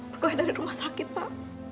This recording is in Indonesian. pegawai dari rumah sakit pak